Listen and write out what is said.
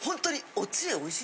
おいしい。